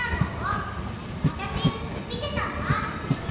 あたしみてたんだ。